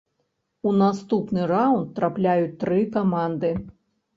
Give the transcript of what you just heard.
У наступны раўнд трапляюць тры каманды.